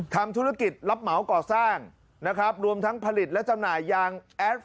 ทำธุรกิจรับเหมาก่อสร้างนะครับรวมทั้งผลิตและจำหน่ายยางแอส